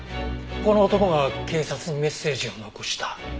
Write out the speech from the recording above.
この男が警察にメッセージを残した。